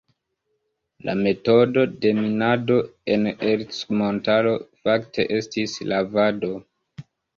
La metodo de minado en Ercmontaro fakte estis "lavado".